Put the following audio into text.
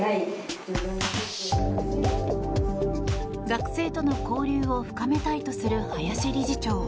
学生との交流を深めたいとする林理事長。